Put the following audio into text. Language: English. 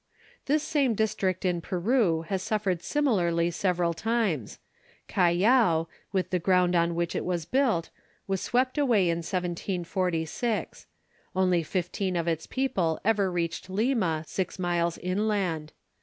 This same district in Peru has suffered similarly several times. Callao, with the ground on which it was built, was swept away in 1746. Only fifteen of its people ever reached Lima, six miles inland.